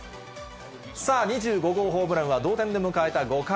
さあ、２５号ホームランは、同点で迎えた５回。